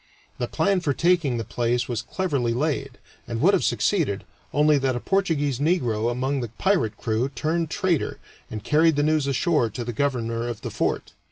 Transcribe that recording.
The plan for taking the place was cleverly laid, and would have succeeded, only that a Portuguese negro among the pirate crew turned traitor and carried the news ashore to the governor of the fort.